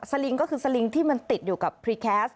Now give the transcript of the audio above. ลิงก็คือสลิงที่มันติดอยู่กับพรีแคสต์